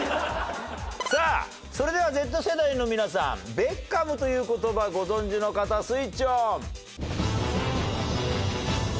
さあそれではＺ世代の皆さんベッカムという言葉ご存じの方スイッチオン！